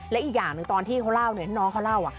แล้วอีกอย่างนึงตอนที่เขาเล่าหน่อยน้องเธอน้องเขาเล่า